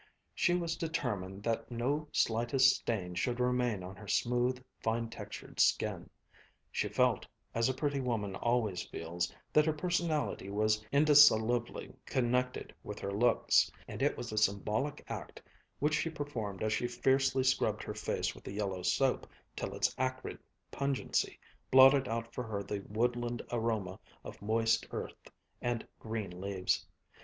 She was determined that no slightest stain should remain on her smooth, fine textured skin. She felt, as a pretty woman always feels, that her personality was indissolubly connected with her looks, and it was a symbolic act which she performed as she fiercely scrubbed her face with the yellow soap till its acrid pungency blotted out for her the woodland aroma of moist earth and green leaves.